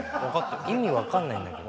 意味分かんないんだけど。